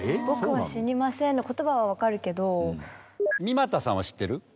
僕は死にませんの言葉は分かる三又さんは知ってる？